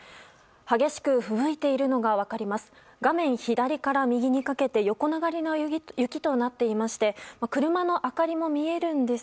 激しくふぶいているのが分かります。